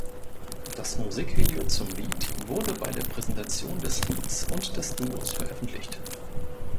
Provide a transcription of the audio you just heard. Das Musikvideo zum Lied wurde bei der Präsentation des Lieds und des Duos veröffentlicht.